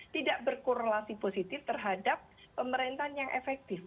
tidak berkorelasi positif terhadap pemerintahan yang efektif